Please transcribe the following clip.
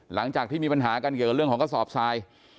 หลังจากที่มีปัญหากันเกี่ยวกับเรื่องของกระสอบทราย